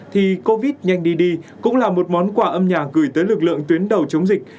thì covid một mươi chín nhanh đi đi cũng là một món quà âm nhạc gửi tới lực lượng tuyến đầu chống dịch